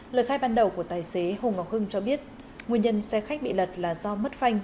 lời khai ban đầu của tài xế hùng ngọc hưng cho biết nguyên nhân xe khách bị lật là do mất phanh